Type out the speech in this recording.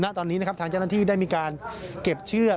ตอนนี้นะครับทางเจ้าหน้าที่ได้มีการเก็บเชือก